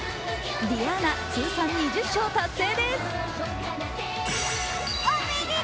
ディアーナ、通算２０勝達成です。